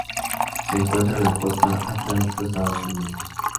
Se encuentra en la costa atlántico Estados Unidos.